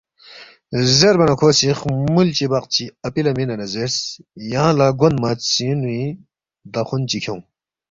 زیربا نہ کھو سی خمُول چی بقچی اپی لہ مِنے نہ زیرس، ”یانگ لہ گونمہ ژینُوی دخون چی کھیونگ